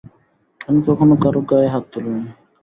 আমি কখনও কারও গাঁ-য়ে হাত তুলিনি।